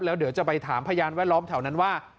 แล้วเดี๋ยวจะไปถามพยานแวดล้อมแถวนั้นว่า